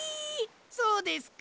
そうですか。